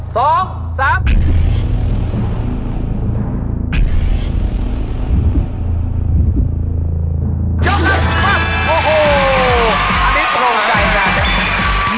โอ้โหอันนี้ตรงใจกัน